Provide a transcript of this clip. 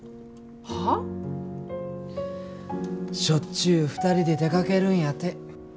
しょっちゅう２人で出かけるんやて。